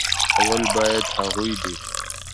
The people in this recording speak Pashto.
اول بايد هغوي دې